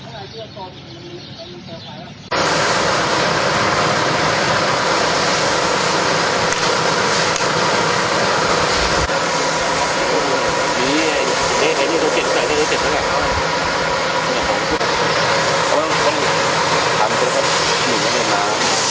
และอันดับสุดท้ายประเทศกรรมกับประเทศอเมริกา